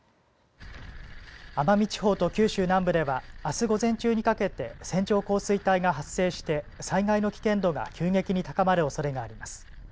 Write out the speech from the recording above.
奄美地方と九州南部ではあす午前中にかけて線状降水帯が発生して災害の危険度が急激に高まるおそれがあります。